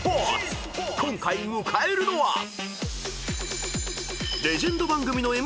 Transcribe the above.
［今回迎えるのは］